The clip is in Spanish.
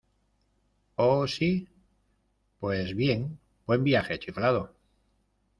¿ Oh, si? Pues bien , buen viaje , chiflado.